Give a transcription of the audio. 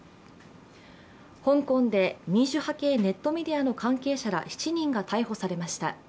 香港で民主派系ネットメディアの関係者ら７人が逮捕されました。